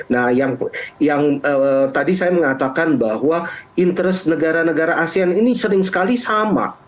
nah yang tadi saya mengatakan bahwa interest negara negara asean ini sering sekali sama